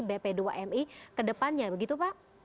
bp dua mi ke depannya begitu pak